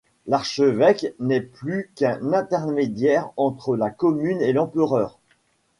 L'archevêque n'est plus qu'un intermédiaire entre la commune et l'empereur.